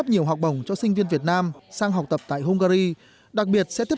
sẽ cấp nhiều học bổng cho sinh viên việt nam sang học tập tại hungary đặc biệt sẽ tiếp